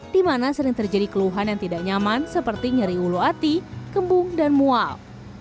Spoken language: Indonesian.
di mana sering terjadi keluhan yang tidak nyaman seperti nyeri ulu ati kembung dan mual